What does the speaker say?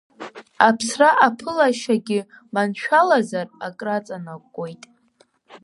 Аԥсра аԥылашьагьы маншәалазар акраҵанакуеит…